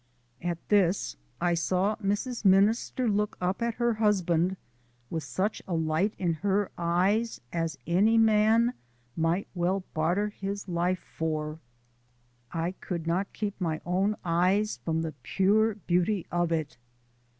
At this I saw Mrs. Minister look up at her husband with such a light in her eyes as any man might well barter his life for I could not keep my own eyes from pure beauty of it.